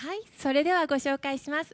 それではご紹介します。